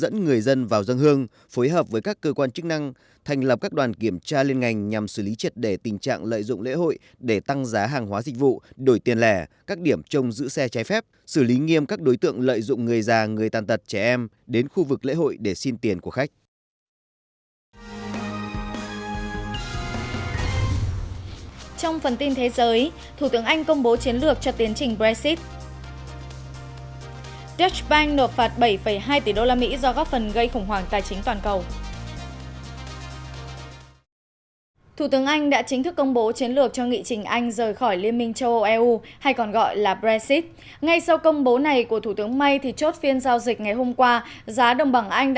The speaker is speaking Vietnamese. ngay sau công bố này của thủ tướng may thì chốt phiên giao dịch ngày hôm qua giá đồng bằng anh đã nhích lên được một hai trăm ba mươi bốn usd một bảng từ mức là một hai trăm linh năm usd một bảng ngày một mươi sáu tháng một